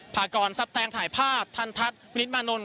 พากรทรัพย์แตงถ่ายภาพทันทัศน์วินิตมานนท